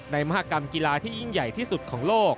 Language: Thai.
มหากรรมกีฬาที่ยิ่งใหญ่ที่สุดของโลก